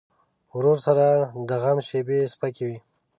ورور سره د غم شیبې سپکې وي.